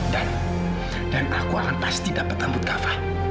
dan dan aku akan pasti dapet amput kafa